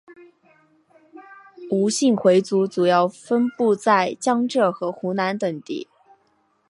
伍姓回族主要分布在江浙和湖南等地。